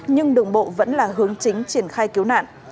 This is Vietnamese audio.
nhưng đường bộ vẫn là hướng chính triển khai cứu nạn